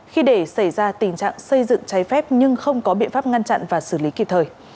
khi để xảy ra tình trạng xây dựng trái phép nhưng không có biện pháp ngăn chặn và xử lý kịp thời